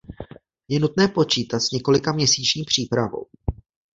Je nutné počítat s několikaměsíční přípravou.